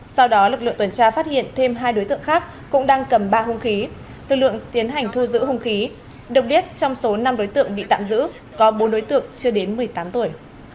sau đó lực lượng tuần tra phát hiện thêm hai đối tượng khác cũng đang cầm ba hung khí lực lượng tiến hành thu giữ hung khí được biết trong số năm đối tượng bị tạm giữ có bốn đối tượng chưa đến một mươi tám tuổi